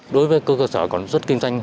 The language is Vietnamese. đối với cơ cơ sở còn rất kinh doanh